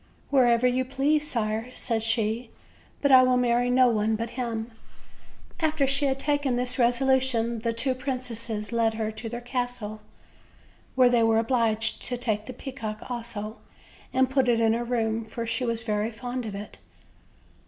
"Wherever you please, sire," said she; "but I will marry no one but him." After she had taken this resolution the two princes led her to their castle, where they were obliged to take the peacock also, and put it in her room, for she was very fond of it.